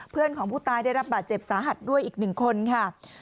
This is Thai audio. เพื่อนของผู้ตายได้รับบาดเจ็บสาหัสด้วยอีก๑คนค่ะ